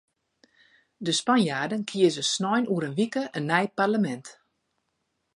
De Spanjaarden kieze snein oer in wike in nij parlemint.